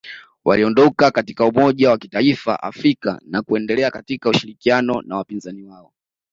Waliondoka katika umoja wa kitaifa Afrika na kuendelea katika ushirikiano na wapinzani wao